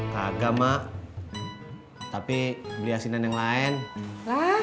kagak mak tapi beli hasilnya nge like lah